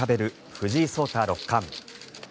藤井聡太六冠。